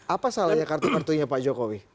apa salahnya kartu kartunya pak jokowi